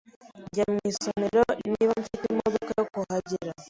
Njya mu isomero niba mfite imodoka yo kuhagera.